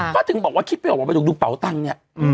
ก็ถึงบอกว่าคิดไม่ออกว่าไปดูเป๋าตังค์เนี่ย